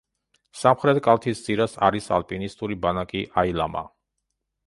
სამხრეთ კალთის ძირას არის ალპინისტური ბანაკი „აილამა“.